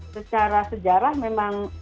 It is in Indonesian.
secara sejarah memang